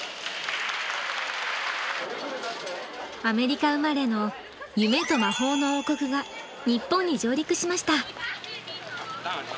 アメリカ生まれの夢と魔法の王国が日本に上陸しました。